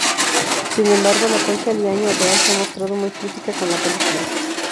Sin embargo, la Concha Liaño real se ha mostrado muy crítica con la película.